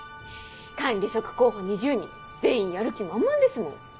管理職候補２０人全員やる気満々ですもん。